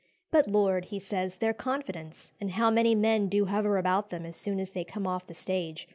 "But, Lord!" he says, "their confidence! and how many men do hover about them as soon as they come off the stage!